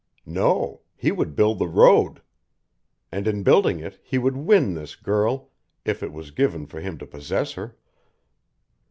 No he would build the road! And in building it he would win this girl, if it was given for him to possess her.